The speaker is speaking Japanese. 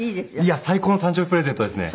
最高の誕生日プレゼントですね。